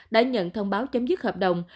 đã nhận thông báo chấm dứt hợp đồng